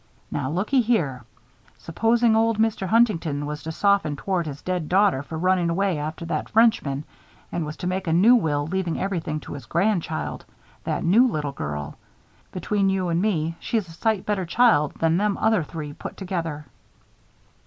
Now lookee here. Supposin' old Mr. Huntington was to soften toward his dead daughter for runnin' away with that Frenchman, and was to make a new will leavin' everything to his grand child that new little girl. Between you and me, she's a sight better child than them other three put together."